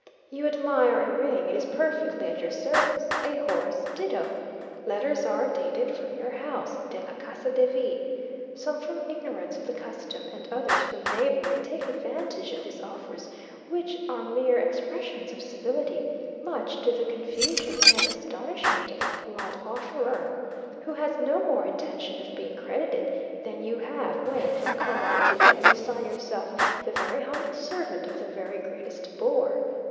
You admire a ring it is perfectly at your service; a horse ditto. Letters are dated "from your house;" (de la casa de V.) Some from ignorance of the custom, and others from knavery, take advantage of these offers, which are mere expressions of civility, much to the confusion and astonishment of the polite offerer, who has no more intention of being credited, than you have when, from common etiquette, you sign yourself the very humble servant of the very greatest bore.